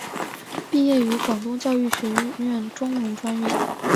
毕业于广东教育学院中文专业。